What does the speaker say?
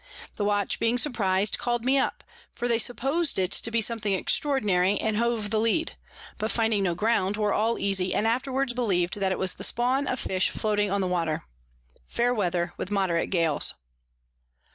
The Watch being surpriz'd, call'd me up; for they suppos'd it to be something extraordinary, and hove the Lead: but finding no Ground, were all easy, and afterwards believ'd that it was the Spawn of Fish floating on the Water. Fair Weather, with moderate Gales.